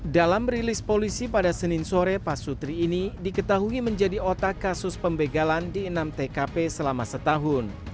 dalam rilis polisi pada senin sore pak sutri ini diketahui menjadi otak kasus pembegalan di enam tkp selama setahun